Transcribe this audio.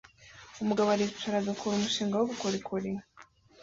Umugabo aricara agakora umushinga wubukorikori